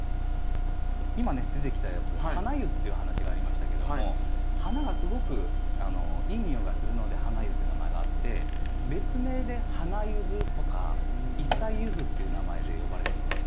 今ね出てきたやつハナユっていう話がありましたけども花がすごくいい匂いがするのでハナユって名前があって別名で花ユズとか一才ユズっていう名前で呼ばれています。